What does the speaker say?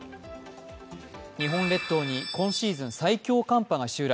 日本列島に今シーズン最強寒波が襲来。